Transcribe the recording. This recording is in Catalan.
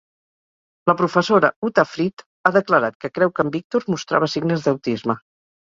La professora Uta Frith ha declarat que creu que en Víctor mostrava signes d'autisme.